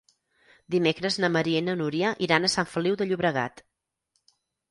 Dimecres na Maria i na Núria iran a Sant Feliu de Llobregat.